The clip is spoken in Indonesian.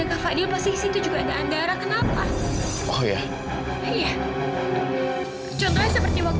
apa itu benar kak